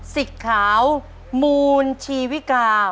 สิกขาวมูลชีวิกา